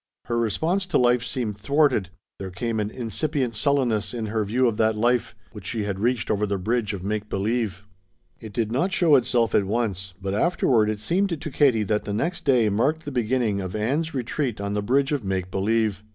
Her response to life seeming thwarted, there came an incipient sullenness in her view of that life which she had reached over the bridge of make believe. It did not show itself at once, but afterward it seemed to Katie that the next day marked the beginning of Ann's retreat on the bridge of make believe.